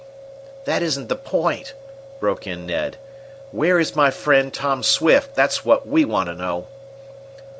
"That isn't the point," broke in Ned. "Where is my friend, Tom Swift? That's what we want to know."